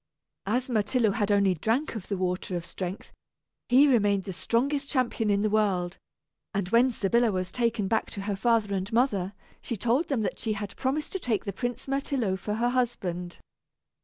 As Myrtillo only had drank of the water of strength, he remained the strongest champion in the world; and when Sybilla was taken back to her father and mother, she told them that she had promised to take the Prince Myrtillo for her husband.